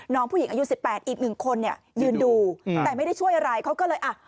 น้องผู้หญิงอายุสิบแปดอีกหนึ่งคนเนี่ยยืนดูแต่ไม่ได้ช่วยอะไรเขาก็เลยอ่ะ